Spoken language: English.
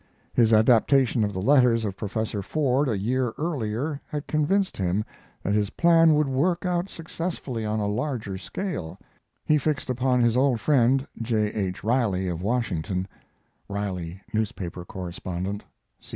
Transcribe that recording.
His adaptation of the letters of Professor Ford, a year earlier, had convinced him that his plan would work out successfully on a larger scale; he fixed upon his old friend, J. H. Riley, of Washington ["Riley Newspaper Correspondent."